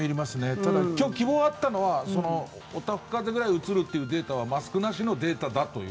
ただ、希望があったのはおたふく風邪ぐらいうつすというデータはマスクなしでのデータだという。